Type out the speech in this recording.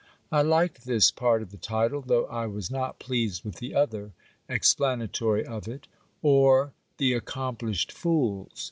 I liked this part of the title; though I was not pleased with the other, explanatory of it; Or The Accomplished Fools.